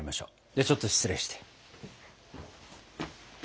ではちょっと失礼して。